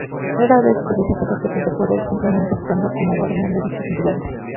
Rara vez utiliza estos objetos de poder, simplemente actuando como guardián de dichas entidades.